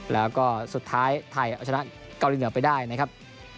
แล้วก็สุดท้ายไทยเอาชนะเกาหลีเหนือไปได้นะครับ